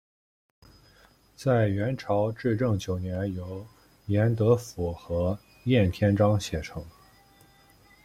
在元朝至正九年由严德甫和晏天章写成。